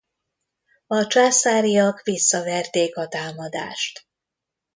A császáriak visszaverték a támadást.